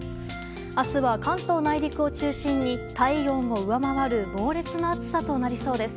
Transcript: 明日は、関東内陸を中心に体温を上回る猛烈な暑さとなりそうです。